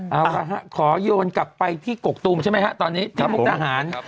หน่ะค่ะขอยนกลับไปที่กกตูมใช่ไหมคะ